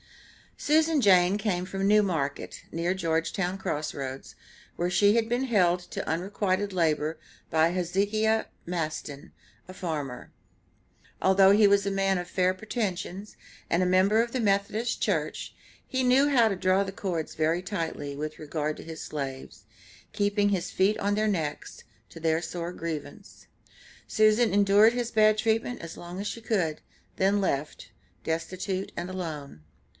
Susan Jane came from New Market, near Georgetown Cross Roads, where she had been held to unrequited labor by Hezekiah Masten, a farmer. Although he was a man of fair pretensions, and a member of the Methodist Church, he knew how to draw the cords very tightly, with regard to his slaves, keeping his feet on their necks, to their sore grievance. Susan endured his bad treatment as long as she could, then left, destitute and alone.